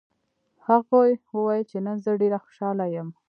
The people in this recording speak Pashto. هغې وویل چې نن زه ډېره خوشحاله یم